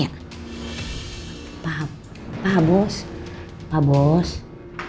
anggap gue jangan baik baik